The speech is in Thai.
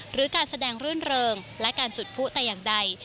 หรือการแสดงรื่นเริงและการจุดผู้แต่อย่างใด